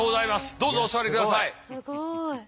どうぞお座りください。